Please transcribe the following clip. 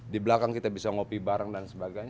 di belakang kita bisa ngopi bareng dan sebagainya